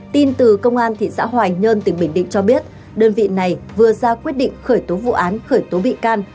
tin từ công an thị xã hoài nhơn tỉnh bình định cho biết đơn vị này vừa ra quyết định khởi tố vụ án khởi tố bị can